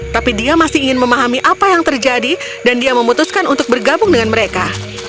tapi dia masih ingin memahami apa yang terjadi dan dia memutuskan untuk bergabung dengan mereka